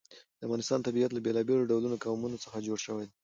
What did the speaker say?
د افغانستان طبیعت له بېلابېلو ډولو قومونه څخه جوړ شوی دی.